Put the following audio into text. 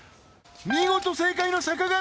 見事正解の坂上